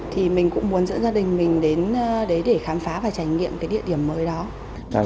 thì mình cũng muốn dẫn gia đình mình đến đấy để khám phá và trải nghiệm cái địa điểm mới đó